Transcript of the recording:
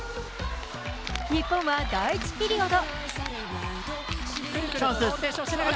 日本は第１ピリオド。